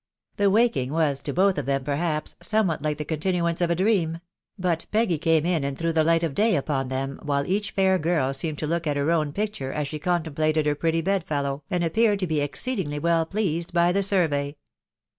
The waking was to both of them, 'gefaiQQ*, mnseiflMX*^* the cominuance* of a dream ; but Tegs? cwift,,w^,fiBBSW 480 THE WIDOW BJLBNABT. light of day upon them, while each fair girl seemed to look at her own picture as she contemplated her pretty bedfellow, and appeared to be exceedingly well pleased by the survey.